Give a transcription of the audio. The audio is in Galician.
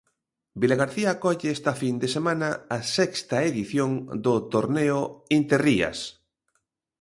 Vilagarcía acolle esta fin de semana a sexta edición do Torneo Interrías.